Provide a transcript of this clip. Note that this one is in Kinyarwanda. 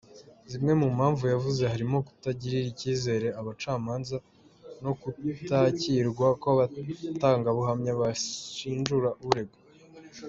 Zimwe mu mpamvu yavuze harimo kutagirira icyizere abacamanza no kutakirwa kw’abatangabuhamya bashinjura uregwa.